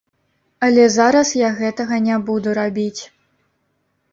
Але зараз я гэтага не буду рабіць.